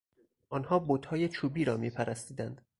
آنان بتهای چوبی را میپرستیدند.